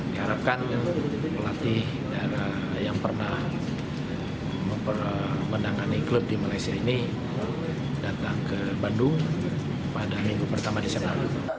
diharapkan pelatih daerah yang pernah menangani klub di malaysia ini datang ke bandung pada minggu pertama desember